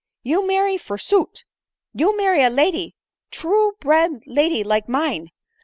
You marry, forsoot ! you marry a lady ! true bred lady like mine